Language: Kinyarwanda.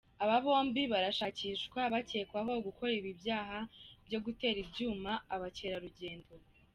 Aba bombi barashakishwa bakekwaho gukora ibi byaha byo gutera ibyuma abakerarugendo.